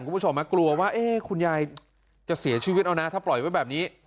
คุณผู้ชมกลัวว่าคุณยายจะเสียชีวิตเอานะถ้าปล่อยไว้แบบนี้